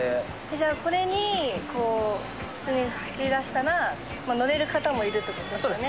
じゃあこれに普通に走りだしたら乗れる方もいるって事ですよね。